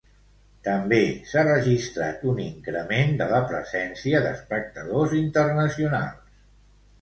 També s'ha registrat un increment de la presència d'espectadors internacionals.